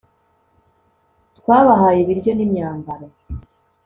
twabahaye ibiryo n'imyambaro